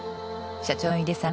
社長の井出さん